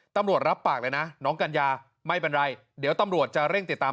ตำรวจรับปากเลยนะน้องกัญญาไม่เป็นไรเดี๋ยวตำรวจจะเร่งติดตาม